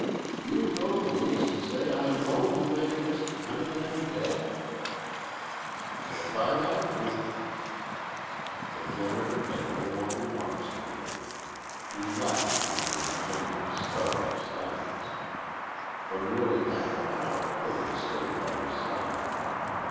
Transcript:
"You go police an' say I know who make Mr. Cunningham dead?" "If I have to." The janitor had no more remarks to make. He lapsed into an angry, stubborn silence. For nearly half an hour Kirby stayed by his side.